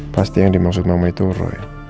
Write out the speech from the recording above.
pasti yang dimaksud mama itu roya